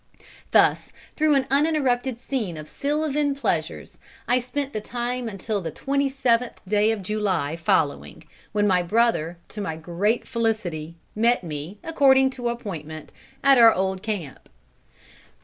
"Thus through an uninterrupted scene of sylvan pleasures, I spent the time until the twenty seventh day of July following, when my brother, to my great felicity, met me, according to appointment, at our old camp."